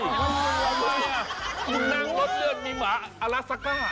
ทำไมคุณนั่งรถเลื่อนมีหมาอาลาซักามาดี